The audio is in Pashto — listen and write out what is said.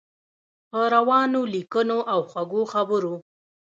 په روانو لیکنو او خوږو خبرو.